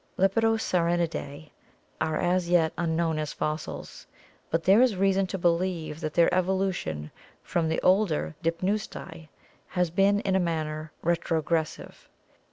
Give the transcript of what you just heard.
Lepidosirenidae are as yet unknown as fossils, but there is reason to believe that their evolution from the older Dipneusti has been in a manner retrogressive.